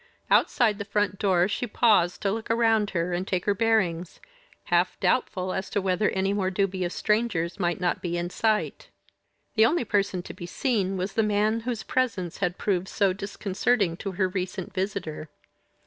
Outside the front door she paused to look around her and take her bearings, half doubtful as to whether any more dubious strangers might not be in sight. The only person to be seen was the man whose presence had proved so disconcerting to her recent visitor.